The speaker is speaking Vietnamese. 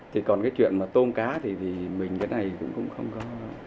thì còn cái chuyện mà tôm cá thì mình cái này cũng không có